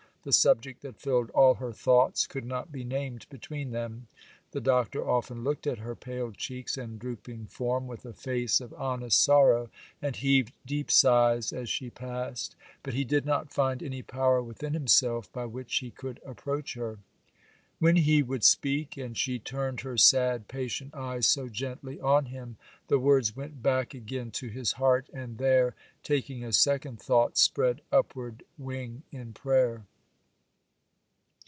The subject that filled all her thoughts could not be named between them. The Doctor often looked at her pale cheeks and drooping form with a face of honest sorrow, and heaved deep sighs as she passed; but he did not find any power within himself by which he could approach her. When he would speak, and she turned her sad, patient eyes so gently on him, the words went back again to his heart, and there, taking a second thought, spread upward wing in prayer.